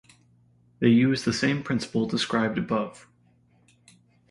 They use the same principle described above.